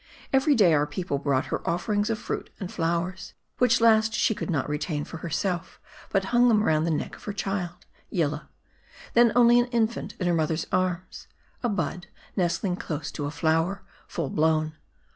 Every day our people brought her offerings of fruit and flowers ; which last she would not retain for herself, but hung them round the neck of her child, Yillah ; then only an infant in her mother's arms ; a bud, nestling close to a flower, full blown.